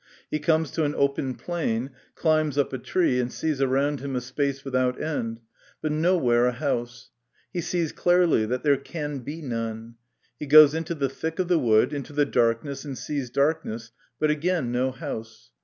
He comes to an open plain, climbs up a tree, and sees around him a space without end, but nowhere a house he sees clearly that there can be none ; he goes into the thick of the wood, into the dark ness, and sees darkness, but again no house.